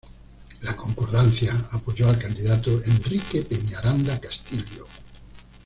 La Concordancia apoyó al candidato Enrique Peñaranda Castillo.